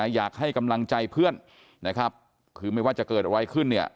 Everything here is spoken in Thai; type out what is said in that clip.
อยากให้กำลังใจเพื่อนคือไม่ว่าจะเกิดอะไรขึ้น